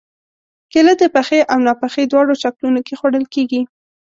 کېله د پخې او ناپخې دواړو شکلونو کې خوړل کېږي.